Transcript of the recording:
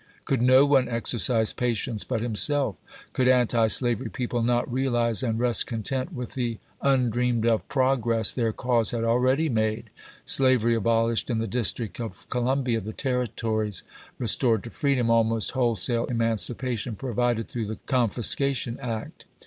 Could no one exercise patience but himself ? Could antislavery people not realize and rest content with the undreamed of progress their cause had already made — slavery abolished in the District of Colum bia, the Territories restored to freedom, almost wholesale emancipation provided through the Con fiscation Act